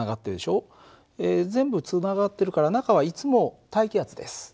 全部つながってるから中はいつも大気圧です。